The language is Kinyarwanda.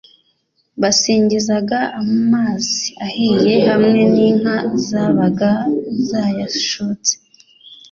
Basingizaga amazi ahiye hamwe n'inka zabaga zayashotse